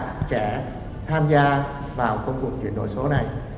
càng nhiều bạn trẻ tham gia vào công cụ chuyển đổi số này